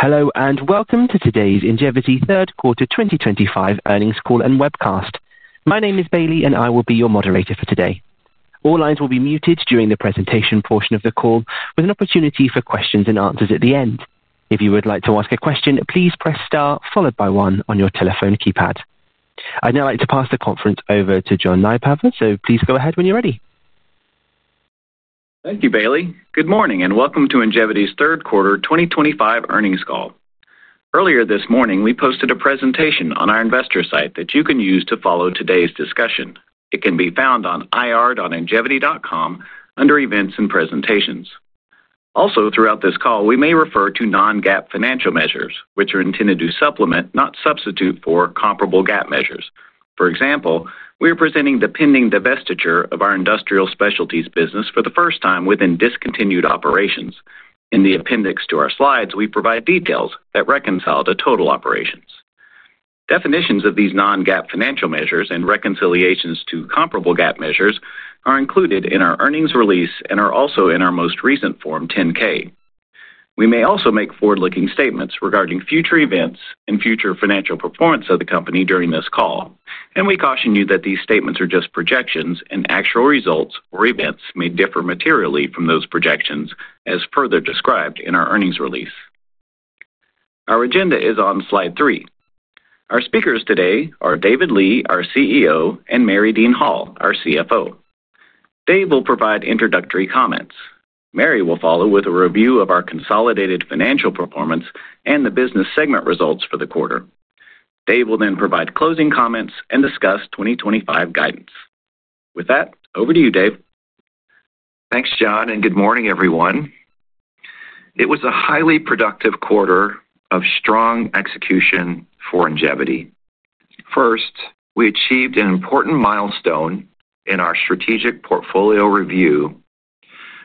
Hello and welcome to today's Ingevity Q3 2025 earnings call and webcast. My name is Bailey, and I will be your moderator for today. All lines will be muted during the presentation portion of the call, with an opportunity for questions and answers at the end. If you would like to ask a question, please press star followed by one on your telephone keypad. I'd now like to pass the conference over to John Nypaver, so please go ahead when you're ready. Thank you, Bailey. Good morning and welcome to Ingevity's Q3 2025 earnings call. Earlier this morning, we posted a presentation on our investor site that you can use to follow today's discussion. It can be found on ir.ingevity.com under Events and Presentations. Also, throughout this call, we may refer to non-GAAP financial measures, which are intended to supplement, not substitute for, comparable GAAP measures. For example, we are presenting the pending divestiture of our industrial specialties business for the first time within discontinued operations. In the appendix to our slides, we provide details that reconcile to total operations. Definitions of these non-GAAP financial measures and reconciliations to comparable GAAP measures are included in our earnings release and are also in our most recent form 10-K. We may also make forward-looking statements regarding future events and future financial performance of the company during this call, and we caution you that these statements are just projections, and actual results or events may differ materially from those projections, as further described in our earnings release. Our agenda is on slide three. Our speakers today are David Li, our CEO, and Mary Dean Hall, our CFO. Dave will provide introductory comments. Mary will follow with a review of our consolidated financial performance and the business segment results for the quarter. Dave will then provide closing comments and discuss 2025 guidance. With that, over to you, Dave. Thanks, John, and good morning, everyone. It was a highly productive quarter of strong execution for Ingevity. First, we achieved an important milestone in our strategic portfolio review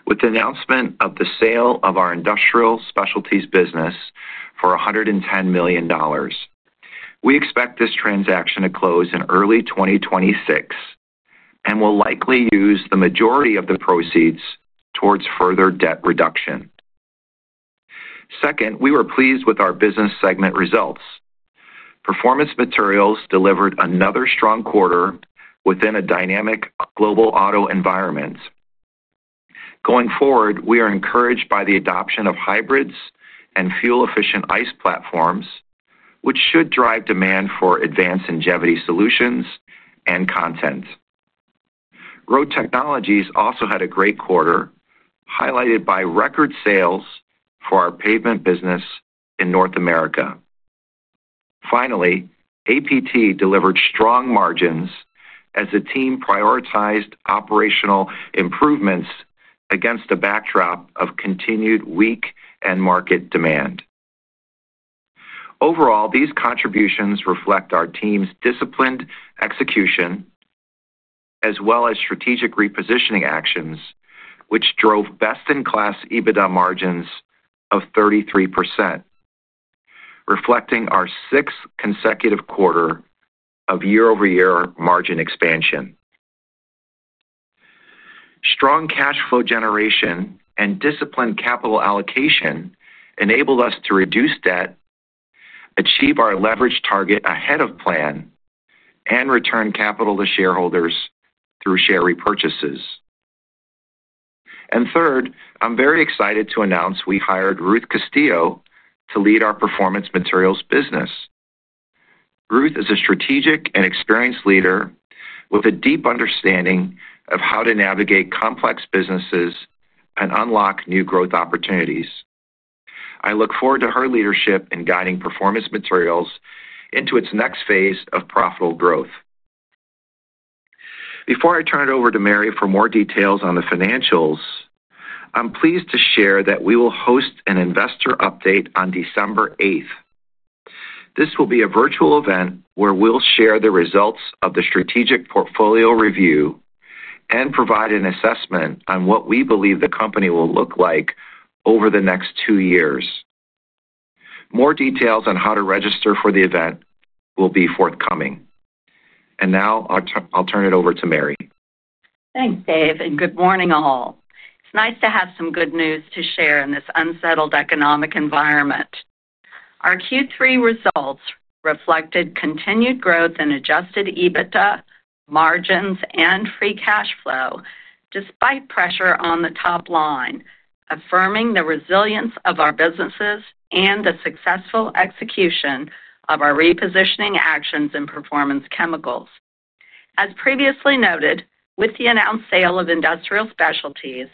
with the announcement of the sale of our industrial specialties business for $110 million. We expect this transaction to close in early 2026 and will likely use the majority of the proceeds towards further debt reduction. Second, we were pleased with our business segment results. Performance Materials delivered another strong quarter within a dynamic global auto environment. Going forward, we are encouraged by the adoption of hybrids and fuel-efficient ICE platforms, which should drive demand for advanced Ingevity solutions and content. Road Technologies also had a great quarter, highlighted by record sales for our pavement business in North America. Finally, APT delivered strong margins as the team prioritized operational improvements against a backdrop of continued weak end-market demand. Overall, these contributions reflect our team's disciplined execution, as well as strategic repositioning actions, which drove best-in-class EBITDA margins of 33%. Reflecting our sixth consecutive quarter of year-over-year margin expansion, strong cash flow generation and disciplined capital allocation enabled us to reduce debt, achieve our leverage target ahead of plan, and return capital to shareholders through share repurchases. Third, I'm very excited to announce we hired Ruth Castillo to lead our performance materials business. Ruth is a strategic and experienced leader with a deep understanding of how to navigate complex businesses and unlock new growth opportunities. I look forward to her leadership in guiding performance materials into its next phase of profitable growth. Before I turn it over to Mary for more details on the financials, I'm pleased to share that we will host an investor update on December 8th. This will be a virtual event where we'll share the results of the strategic portfolio review. We will provide an assessment on what we believe the company will look like over the next two years. More details on how to register for the event will be forthcoming. I will now turn it over to Mary. Thanks, Dave, and good morning, all. It's nice to have some good news to share in this unsettled economic environment. Our Q3 results reflected continued growth in Adjusted EBITDA, margins, and free cash flow, despite pressure on the top line, affirming the resilience of our businesses and the successful execution of our repositioning actions in performance chemicals. As previously noted, with the announced sale of industrial specialties,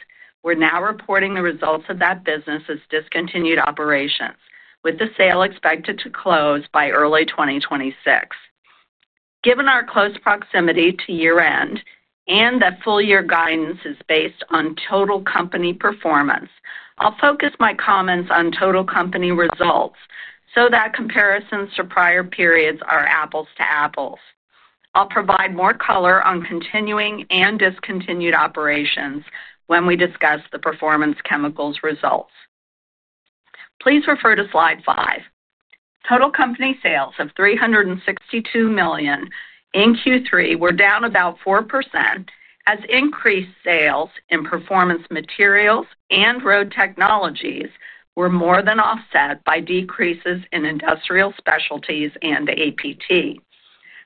we're now reporting the results of that business as discontinued operations, with the sale expected to close by early 2026. Given our close proximity to year-end and that full-year guidance is based on total company performance, I'll focus my comments on total company results so that comparisons to prior periods are apples to apples. I'll provide more color on continuing and discontinued operations when we discuss the performance chemicals results. Please refer to slide five. Total company sales of $362 million. In Q3 were down about 4% as increased sales in performance materials and road technologies were more than offset by decreases in industrial specialties and APT.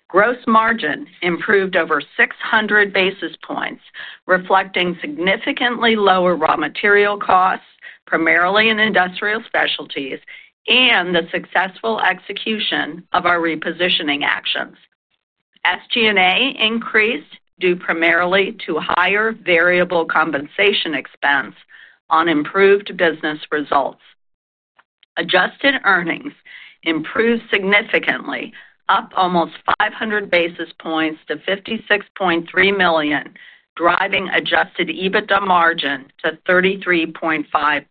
Gross margin improved over 600 basis points, reflecting significantly lower raw material costs, primarily in industrial specialties, and the successful execution of our repositioning actions. SG&A increased due primarily to higher variable compensation expense on improved business results. Adjusted earnings improved significantly, up almost 500 basis points to $56.3 million, driving Adjusted EBITDA margin to 33.5%.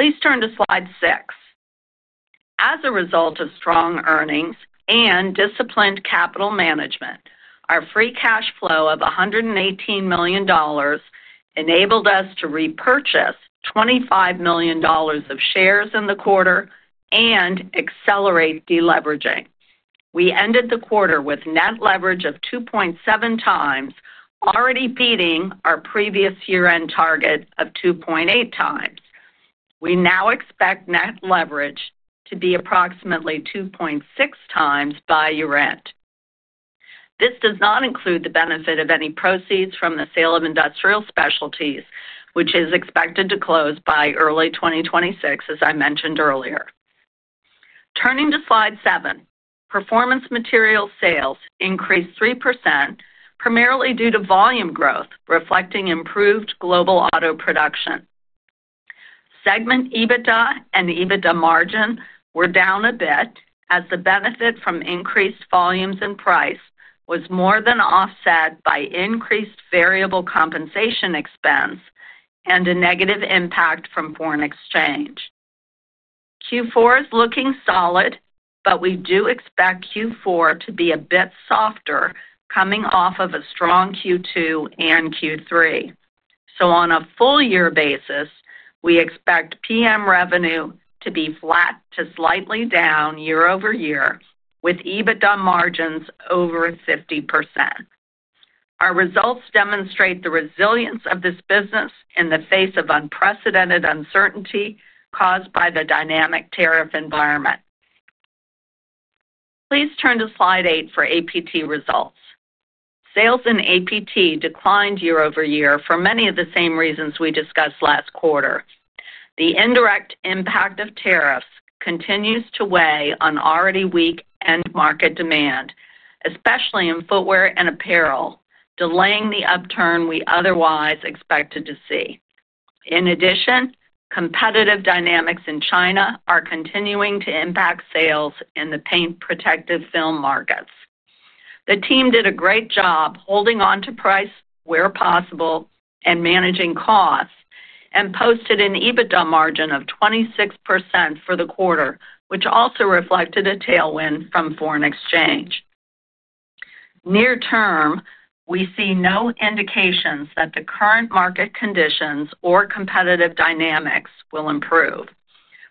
Please turn to slide six. As a result of strong earnings and disciplined capital management, our free cash flow of $118 million enabled us to repurchase $25 million of shares in the quarter and accelerate deleveraging. We ended the quarter with net leverage of 2.7 times, already beating our previous year-end target of 2.8 times. We now expect net leverage to be approximately 2.6 times by year-end. This does not include the benefit of any proceeds from the sale of industrial specialties, which is expected to close by early 2026, as I mentioned earlier. Turning to slide seven, performance materials sales increased 3%, primarily due to volume growth, reflecting improved global auto production. Segment EBITDA and EBITDA margin were down a bit as the benefit from increased volumes and price was more than offset by increased variable compensation expense and a negative impact from foreign exchange. Q4 is looking solid, but we do expect Q4 to be a bit softer coming off of a strong Q2 and Q3. On a full-year basis, we expect PM revenue to be flat to slightly down year-over-year, with EBITDA margins over 50%. Our results demonstrate the resilience of this business in the face of unprecedented uncertainty caused by the dynamic tariff environment. Please turn to slide eight for APT results. Sales in APT declined year-over-year for many of the same reasons we discussed last quarter. The indirect impact of tariffs continues to weigh on already weak end-market demand, especially in footwear and apparel, delaying the upturn we otherwise expected to see. In addition, competitive dynamics in China are continuing to impact sales in the paint protective film markets. The team did a great job holding on to price where possible and managing costs, and posted an EBITDA margin of 26% for the quarter, which also reflected a tailwind from foreign exchange. Near term, we see no indications that the current market conditions or competitive dynamics will improve.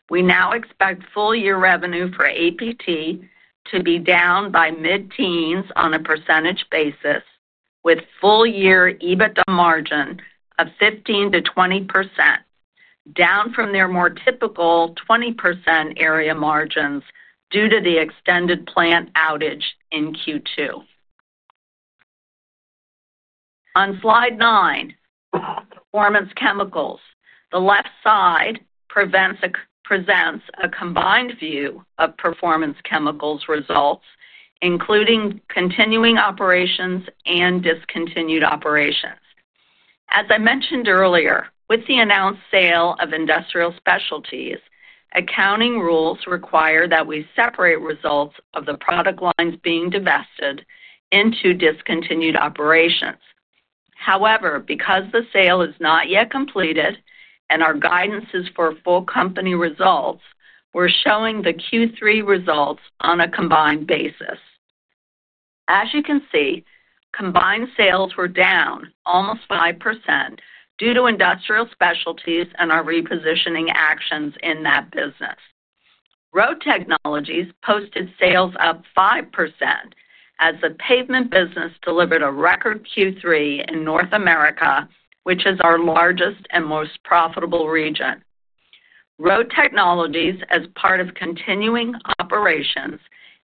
We now expect full-year revenue for APT to be down by mid-teens on a percentage basis, with full-year EBITDA margin of 15-20%. Down from their more typical 20% area margins due to the extended plant outage in Q2. On slide nine. Performance Chemicals. The left side presents a combined view of Performance Chemicals results, including continuing operations and discontinued operations. As I mentioned earlier, with the announced sale of Industrial Specialties, accounting rules require that we separate results of the product lines being divested into discontinued operations. However, because the sale is not yet completed and our guidance is for full-company results, we are showing the Q3 results on a combined basis. As you can see, combined sales were down almost 5% due to Industrial Specialties and our repositioning actions in that business. Road Technologies posted sales up 5% as the pavement business delivered a record Q3 in North America, which is our largest and most profitable region. Road Technologies, as part of continuing operations,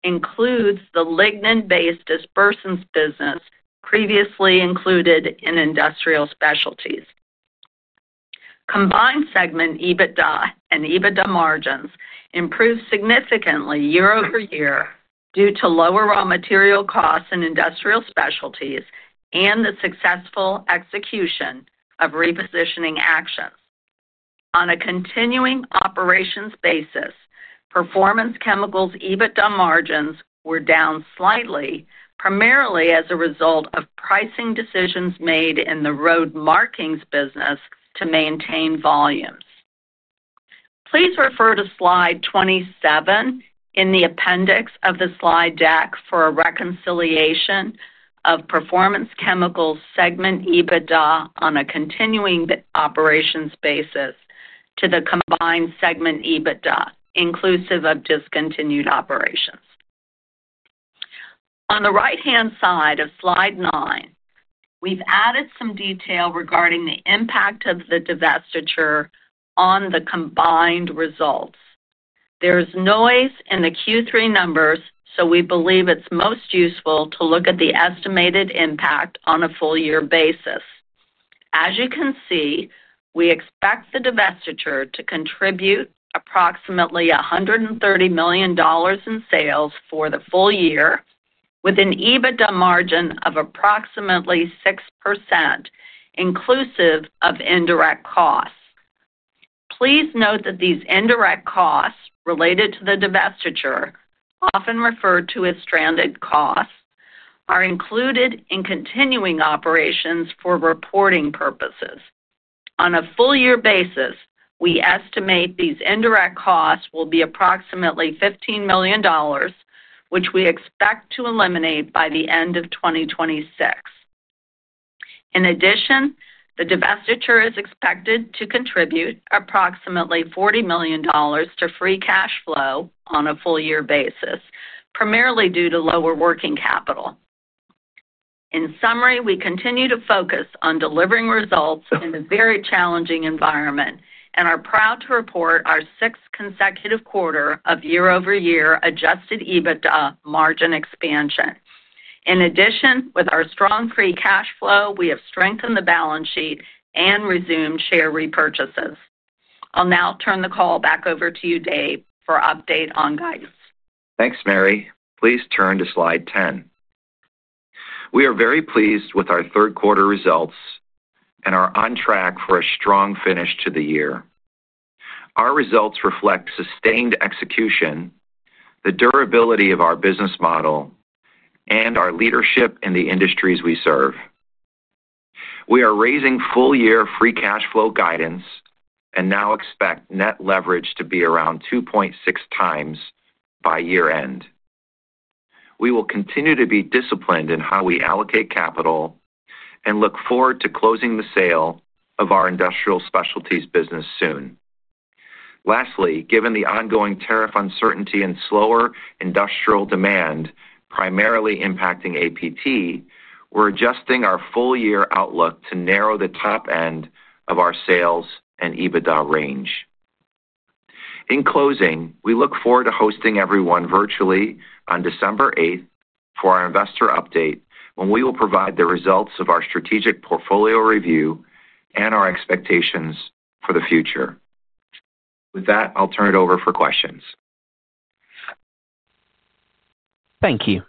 includes the lignin-based dispersants business previously included in Industrial Specialties. Combined segment EBITDA and EBITDA margins improved significantly year-over-year due to lower raw material costs in industrial specialties and the successful execution of repositioning actions. On a continuing operations basis, performance chemicals' EBITDA margins were down slightly, primarily as a result of pricing decisions made in the road markings business to maintain volumes. Please refer to slide 27 in the appendix of the slide deck for a reconciliation of performance chemicals' segment EBITDA on a continuing operations basis to the combined segment EBITDA, inclusive of discontinued operations. On the right-hand side of slide nine, we've added some detail regarding the impact of the divestiture on the combined results. There is noise in the Q3 numbers, so we believe it's most useful to look at the estimated impact on a full-year basis. As you can see, we expect the divestiture to contribute approximately $130 million in sales for the full year, with an EBITDA margin of approximately 6%, inclusive of indirect costs. Please note that these indirect costs related to the divestiture, often referred to as stranded costs, are included in continuing operations for reporting purposes. On a full-year basis, we estimate these indirect costs will be approximately $15 million, which we expect to eliminate by the end of 2026. In addition, the divestiture is expected to contribute approximately $40 million to free cash flow on a full-year basis, primarily due to lower working capital. In summary, we continue to focus on delivering results in a very challenging environment and are proud to report our sixth consecutive quarter of year-over-year Adjusted EBITDA margin expansion. In addition, with our strong free cash flow, we have strengthened the balance sheet and resumed share repurchases. I'll now turn the call back over to you, Dave, for update on guidance. Thanks, Mary. Please turn to slide 10. We are very pleased with our third-quarter results and are on track for a strong finish to the year. Our results reflect sustained execution, the durability of our business model, and our leadership in the industries we serve. We are raising full-year free cash flow guidance and now expect net leverage to be around 2.6 times by year-end. We will continue to be disciplined in how we allocate capital. We look forward to closing the sale of our industrial specialties business soon. Lastly, given the ongoing tariff uncertainty and slower industrial demand primarily impacting APT, we're adjusting our full-year outlook to narrow the top end of our sales and EBITDA range. In closing, we look forward to hosting everyone virtually on December 8th for our investor update, when we will provide the results of our strategic portfolio review and our expectations for the future. With that, I'll turn it over for questions. Thank you.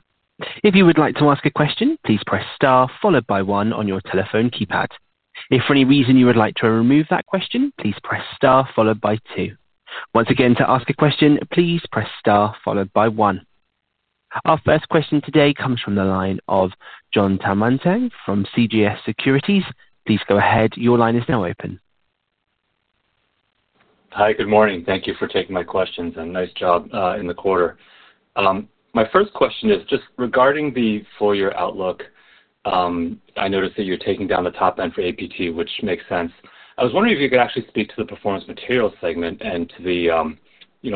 If you would like to ask a question, please press star followed by one on your telephone keypad. If for any reason you would like to remove that question, please press star followed by two. Once again, to ask a question, please press star followed by one. Our first question today comes from the line of John Tanwanteng from CGS Securities. Please go ahead. Your line is now open. Hi, good morning. Thank you for taking my questions and nice job in the quarter. My first question is just regarding the full-year outlook. I noticed that you're taking down the top end for APT, which makes sense. I was wondering if you could actually speak to the performance materials segment and to the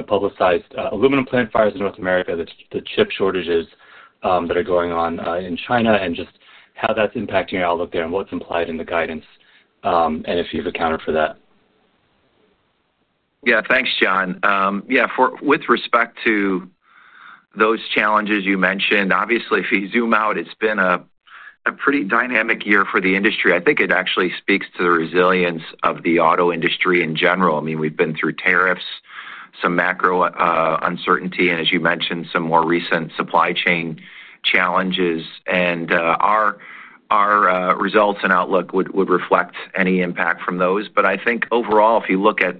publicized aluminum plant fires in North America, the chip shortages that are going on in China, and just how that's impacting your outlook there and what's implied in the guidance. If you've accounted for that. Yeah, thanks, John. Yeah, with respect to those challenges you mentioned, obviously, if you zoom out, it's been a pretty dynamic year for the industry. I think it actually speaks to the resilience of the auto industry in general. I mean, we've been through tariffs, some macro uncertainty, and as you mentioned, some more recent supply chain challenges. Our results and outlook would reflect any impact from those. I think overall, if you look at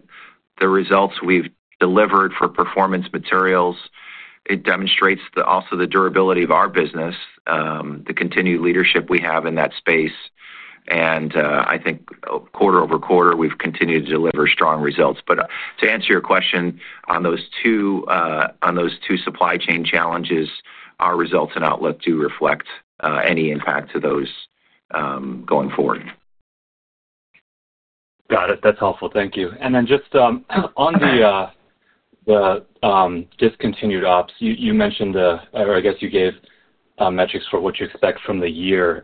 the results we've delivered for performance materials, it demonstrates also the durability of our business, the continued leadership we have in that space. I think quarter over quarter, we've continued to deliver strong results. To answer your question on those two supply chain challenges, our results and outlook do reflect any impact to those going forward. Got it. That's helpful. Thank you. And then just on the discontinued ops, you mentioned, or I guess you gave metrics for what you expect from the year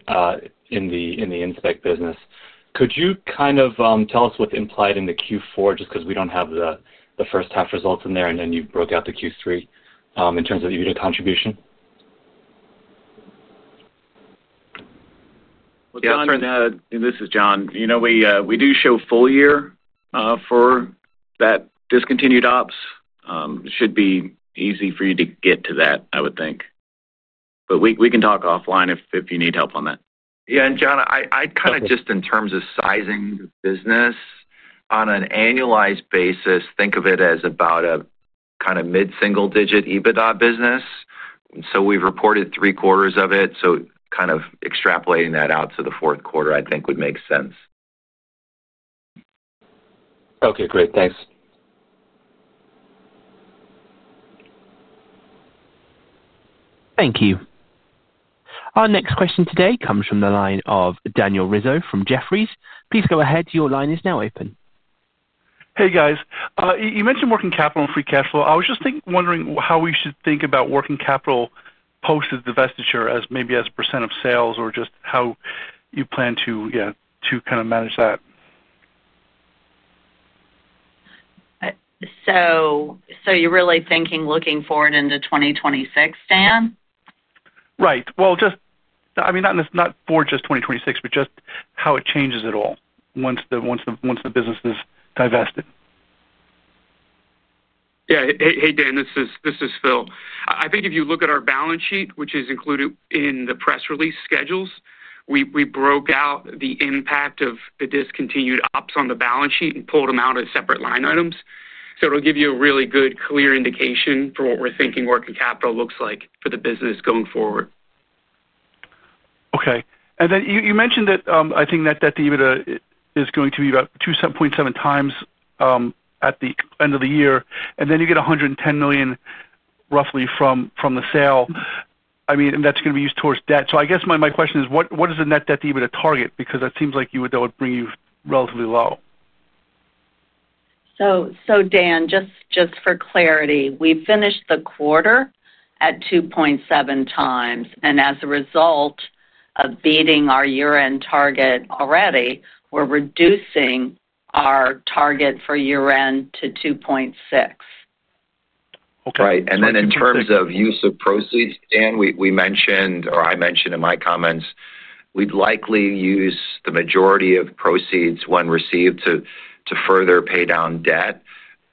in the inspect business. Could you kind of tell us what's implied in the Q4, just because we do not have the first half results in there, and then you broke out the Q3 in terms of EBITDA contribution? This is John. We do show full year for that discontinued ops. It should be easy for you to get to that, I would think. But we can talk offline if you need help on that. Yeah. John, I kind of just in terms of sizing the business, on an annualized basis, think of it as about a kind of mid-single-digit EBITDA business. We have reported three-quarters of it, so kind of extrapolating that out to the fourth quarter, I think, would make sense. Okay. Great. Thanks. Thank you. Our next question today comes from the line of Daniel Rizzo from Jefferies. Please go ahead. Your line is now open. Hey, guys. You mentioned working capital and free cash flow. I was just wondering how we should think about working capital. Post divestiture as maybe as a percent of sales or just how you plan to kind of manage that. You're really thinking looking forward into 2026, Dan? Right. I mean, not for just 2026, but just how it changes at all once the business is divested. Yeah. Hey, Dan, this is Phil. I think if you look at our balance sheet, which is included in the press release schedules, we broke out the impact of the discontinued ops on the balance sheet and pulled them out as separate line items. It will give you a really good, clear indication for what we are thinking working capital looks like for the business going forward. Okay. And then you mentioned that I think net debt is going to be about 2.7 times at the end of the year. And then you get $110 million, roughly, from the sale. I mean, and that's going to be used towards debt. I guess my question is, what is the net debt you would have targeted? Because that seems like you would bring you relatively low. Dan, just for clarity, we finished the quarter at 2.7 times. As a result of beating our year-end target already, we're reducing our target for year-end to 2.6. Right. In terms of use of proceeds, Dan, we mentioned, or I mentioned in my comments, we'd likely use the majority of proceeds when received to further pay down debt.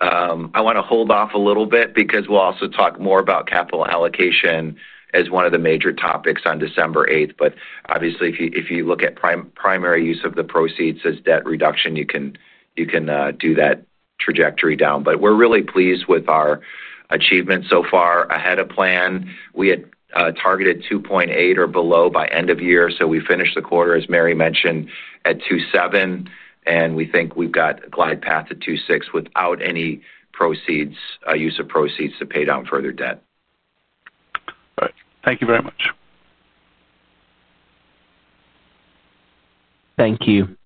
I want to hold off a little bit because we'll also talk more about capital allocation as one of the major topics on December 8th. Obviously, if you look at primary use of the proceeds as debt reduction, you can do that trajectory down. We're really pleased with our achievement so far. Ahead of plan, we had targeted 2.8 or below by end of year. We finished the quarter, as Mary mentioned, at 2.7. We think we've got a glide path to 2.6 without any use of proceeds to pay down further debt. All right. Thank you very much. Thank you.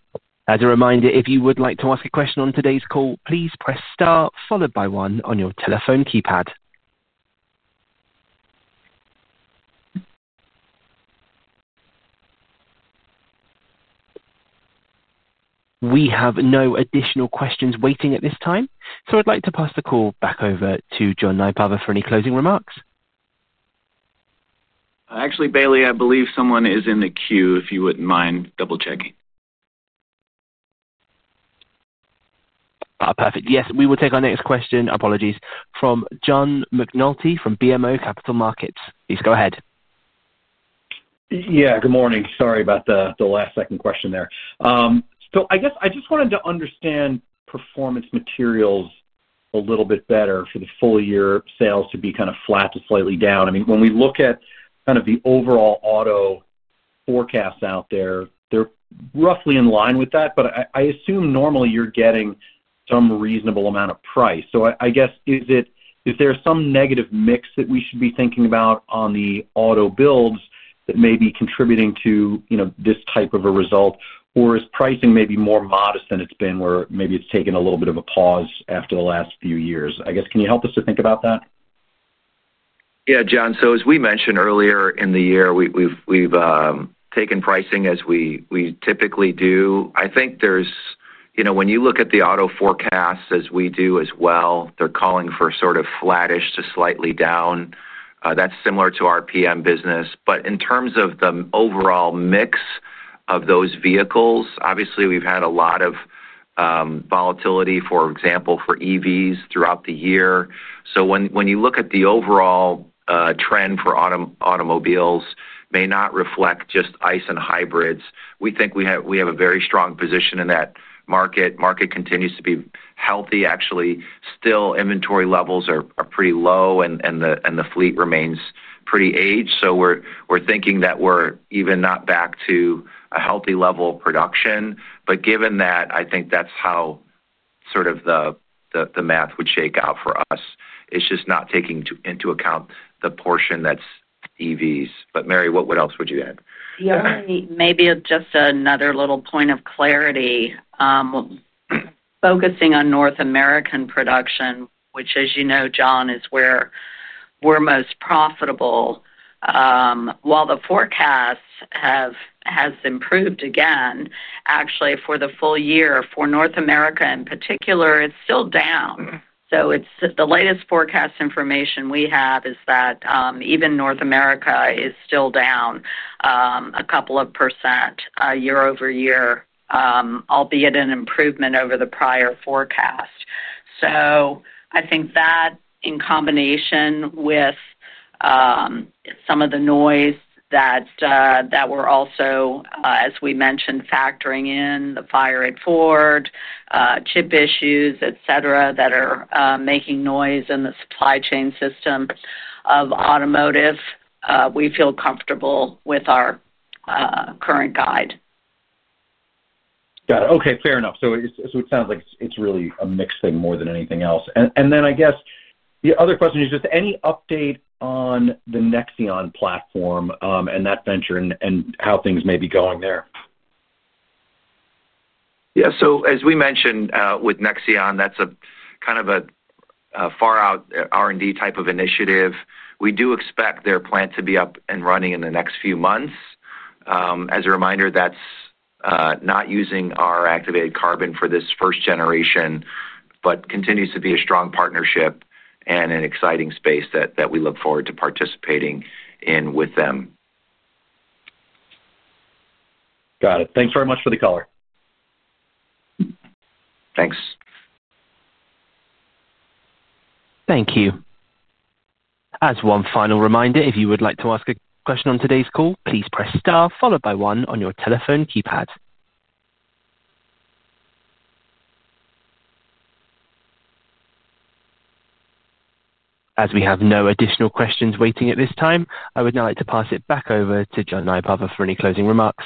As a reminder, if you would like to ask a question on today's call, please press star followed by one on your telephone keypad. We have no additional questions waiting at this time. I would like to pass the call back over to John Nypaver for any closing remarks. Actually, Bailey, I believe someone is in the queue, if you wouldn't mind double-checking. Perfect. Yes, we will take our next question, apologies, from John McNulty from BMO Capital Markets. Please go ahead. Yeah. Good morning. Sorry about the last-second question there. I just wanted to understand performance materials a little bit better for the full-year sales to be kind of flat to slightly down. I mean, when we look at kind of the overall auto forecast out there, they're roughly in line with that. I assume normally you're getting some reasonable amount of price. Is there some negative mix that we should be thinking about on the auto builds that may be contributing to this type of a result? Or is pricing maybe more modest than it's been, where maybe it's taken a little bit of a pause after the last few years? Can you help us to think about that? Yeah, John. As we mentioned earlier in the year, we've taken pricing as we typically do. I think when you look at the auto forecasts as we do as well, they're calling for sort of flattish to slightly down. That's similar to our PM business. In terms of the overall mix of those vehicles, obviously, we've had a lot of volatility, for example, for EVs throughout the year. When you look at the overall trend for automobiles, it may not reflect just ICE and hybrids. We think we have a very strong position in that market. Market continues to be healthy. Actually, still, inventory levels are pretty low, and the fLit remains pretty aged. We're thinking that we're even not back to a healthy level of production. Given that, I think that's how sort of the math would shake out for us. It's just not taking into account the portion that's EVs. Mary, what else would you add? Yeah. Maybe just another little point of clarity. Focusing on North American production, which, as you know, John, is where we're most profitable. While the forecast has improved again, actually, for the full year, for North America in particular, it's still down. The latest forecast information we have is that even North America is still down a couple of percent year-over-year, albeit an improvement over the prior forecast. I think that in combination with some of the noise that we're also, as we mentioned, factoring in the fire at Ford, chip issues, etc., that are making noise in the supply chain system of automotive, we feel comfortable with our current guide. Got it. Okay. Fair enough. It sounds like it's really a mixed thing more than anything else. I guess the other question is just any update on the Nexeon platform and that venture and how things may be going there? Yeah. As we mentioned with Nexeon, that's kind of a far-out R&D type of initiative. We do expect their plant to be up and running in the next few months. As a reminder, that's not using our activated carbon for this first generation, but continues to be a strong partnership and an exciting space that we look forward to participating in with them. Got it. Thanks very much for the call. Thanks. Thank you. As one final reminder, if you would like to ask a question on today's call, please press star followed by one on your telephone keypad. As we have no additional questions waiting at this time, I would now like to pass it back over to John Nypaver for any closing remarks.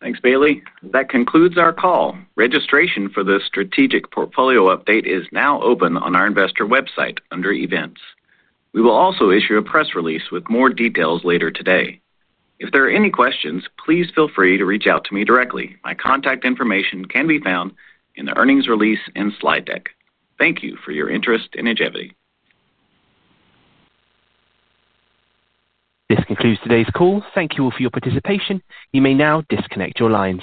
Thanks, Bailey. That concludes our call. Registration for the strategic portfolio update is now open on our investor website under events. We will also issue a press release with more details later today. If there are any questions, please feel free to reach out to me directly. My contact information can be found in the earnings release and slide deck. Thank you for your interest in Ingevity. This concludes today's call. Thank you all for your participation. You may now disconnect your lines.